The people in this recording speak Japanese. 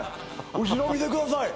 後ろ見てください！